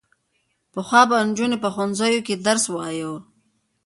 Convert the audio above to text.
پخوا به نجونو په ښوونځیو کې درس وايه.